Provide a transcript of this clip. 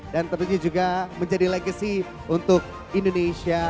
dan tentunya juga menjadi legacy untuk indonesia